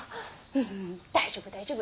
ふふ大丈夫大丈夫。